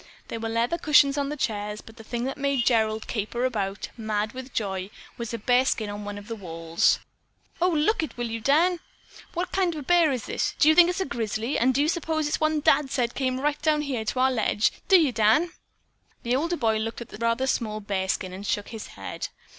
There were leather cushions in the chairs, but the thing that made Gerald caper about, mad with joy, was a bearskin on one of the walls. "Oh, look it, will you, Dan? What kind of a bear is it? Do you think it is a grizzly, and do you s'pose it's that one Dad said came right down here to our ledge? Do you, Dan?" The older boy looked at the rather small bearskin and shook his head.